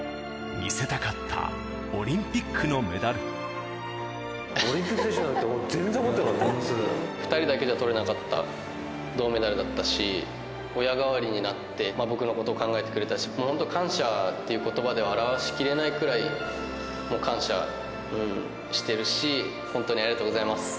見せたかったオリンピックのオリンピック選手になるなん２人だけじゃとれなかった銅メダルだったし、親代わりになって僕のことを考えてくれたし、本当感謝っていうことばでは表しきれないくらい感謝してるし、本当にありがとうございます。